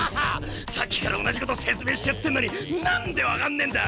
さっきから同じこと説明してやってんのに何で分かんねえんだ！